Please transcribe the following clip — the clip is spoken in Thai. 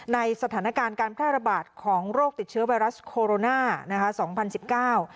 ในสถานการณ์การแพร่ระบาดของโรคติดเชื้อไวรัสโคโรนานะคะสองพันสิบเก้า